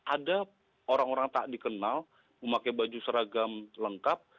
ada orang orang tak dikenal memakai baju seragam lengkap